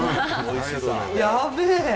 やべえ！